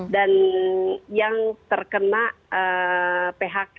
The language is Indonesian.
dan yang terkena phk